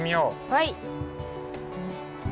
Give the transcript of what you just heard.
はい。